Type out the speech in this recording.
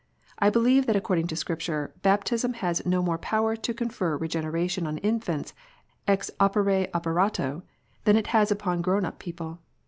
I believe that accord ing to Scripture, baptism has no more power to confer Regenera tion on infants, ex opere operato, than it has upon grown up people.